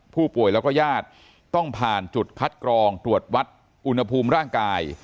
ผู้ป่วยแล้วก็ญาติต้องผ่านจุดคัดกรองตรวจวัดอุณหภูมิร่างกาย